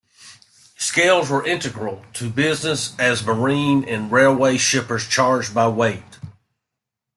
Scales were integral to business as marine and railway shippers charged by weight.